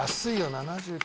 ７９。